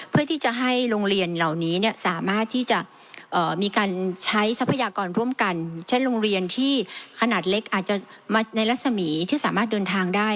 เพื่อที่จะให้โรงเรียนเหล่านี้ได้ใช้ทรัพยากรรมร่วมกันแทนโรงเรียนขนาดเล็กในแลกสมีสามารถเดินทางได้